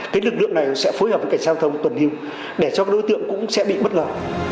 cái lực lượng này sẽ phối hợp với cảnh giao thông tuần hưu để cho các đối tượng cũng sẽ bị bất ngờ